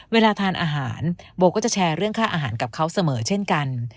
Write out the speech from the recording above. เวลาทานอาหารโบก็จะแชร์เรื่องค่าอาหารกับเขาเสมอเช่นกัน